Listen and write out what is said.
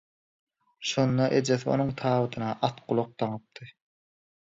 Şonda ejesi onuň tabydyna atgulak daňypdy.